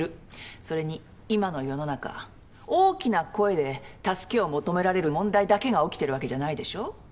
それに今の世の中大きな声で助けを求められる問題だけが起きてるわけじゃないでしょ？